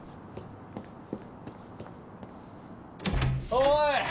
おい！